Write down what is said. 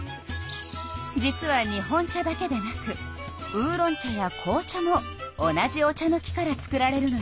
実は日本茶だけでなくウーロン茶や紅茶も同じお茶の木から作られるのよ。